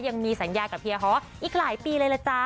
ยังมีสัญญากับเฮียฮ้ออีกหลายปีเลยล่ะจ๊ะ